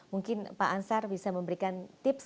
mungkin pak ansar bisa memberikan tips